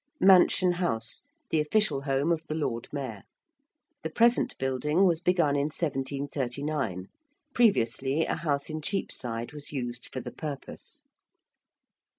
~Mansion House~: the official home of the Lord Mayor. The present building was begun in 1739; previously a house in Cheapside was used for the purpose.